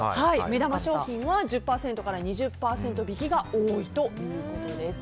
目玉商品は１０％から２０％引きが多いということです。